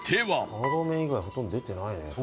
ターロー麺以外ほとんど出てないね。